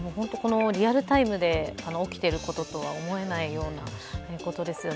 リアルタイムで起きていることとは思えないようなことですよね。